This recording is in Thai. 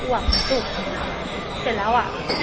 ทุกครั้งเดียวเสร็จสิ่งเสร็จแล้ว